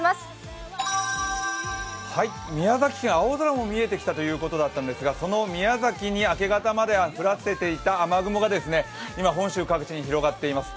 宮崎県、青空も見えてきたということですけどその宮崎に明け方まで降らせていた雨雲が、今、本州各地に広がっています。